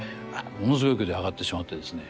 ものすごい勢いで上がってしまってですね